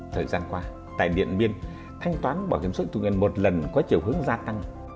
thời gian qua tại điện biên thanh toán bảo hiểm xã hội một lần có chiều hướng gia tăng